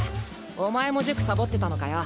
お前も塾サボってたのかよ。